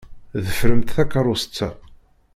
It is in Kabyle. Ḍefṛemt takeṛṛust-a.